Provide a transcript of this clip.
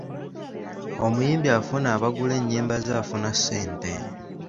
Omuyimbi afuna abagula ennyimba ze afuna ssente.